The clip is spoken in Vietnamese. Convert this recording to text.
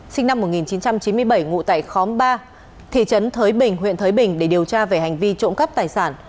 sinh năm một nghìn chín trăm chín mươi bảy ngụ tại khóm ba thị trấn thới bình huyện thới bình để điều tra về hành vi trộm cắp tài sản